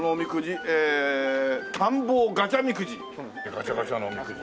ガチャガチャのおみくじ。